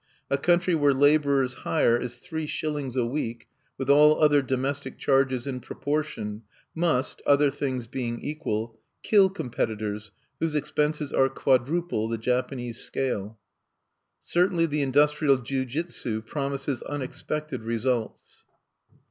A country where laborers' hire is three shillings a week, with all other domestic charges in proportion, must other things being equal kill competitors whose expenses are quadruple the Japanese scale." Certainly the industrial jiujutsu promises unexpected results.